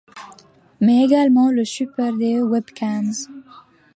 Mais également le support des webcams.